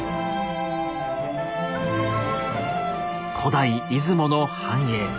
古代出雲の繁栄。